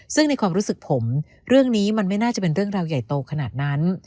ซึ่งในความรู้สึกผมเรื่องนี้มันไม่น่าจะเป็นเรื่องราวใหญ่โตขนาดนั้น